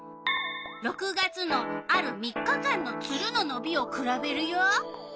６月のある３日間のツルののびをくらべるよ。